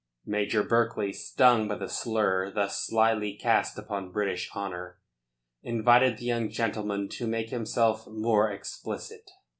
Major Berkeley, stung by the slur thus slyly cast upon British honour, invited the young gentleman to make himself more explicit.